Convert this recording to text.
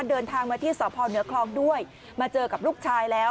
เดินทางมาที่สพเหนือคลองด้วยมาเจอกับลูกชายแล้ว